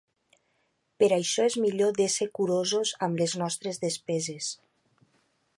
Per això, és millor d’ésser curosos amb les nostres despeses.